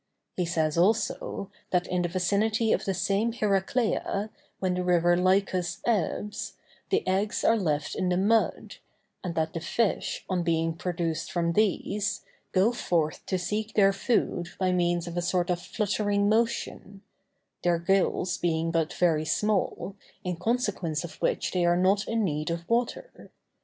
He says also, that in the vicinity of the same Heraclea, when the river Lycus ebbs, the eggs are left in the mud, and that the fish, on being produced from these, go forth to seek their food by means of a sort of fluttering motion,—their gills being but very small, in consequence of which they are not in need of water.